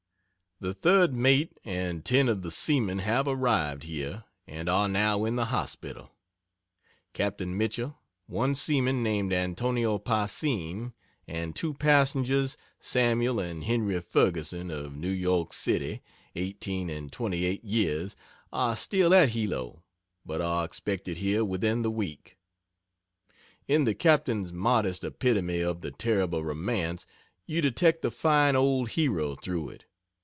The Third Mate, and ten of the seamen have arrived here, and are now in the hospital. Cap. Mitchell, one seaman named Antonio Passene, and two passengers, Samuel and Henry Ferguson, of New York City, eighteen and twenty eight years, are still at Hilo, but are expected here within the week. In the Captain's modest epitome of the terrible romance you detect the fine old hero through it.